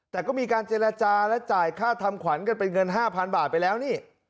แต่ก็มีการเจรจาและจ่ายค่าทำขวัญกันเป็นเงิน๕๐๐บาทไปแล้วนี่